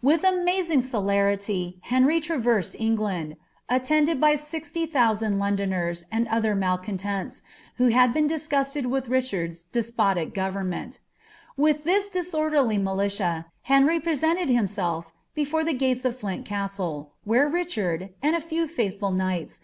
With amaz ing celarity Hcnty lraver«ed England, attended by silly thousand Lon doners and other malcontpnW, who had been dismiated with Richard's drspniic government, With this disoiderly militia Henry presented himself liefore the gates of Flint Castle, where Richard, ami a few fuith< ful knighls.